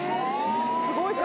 すごい体。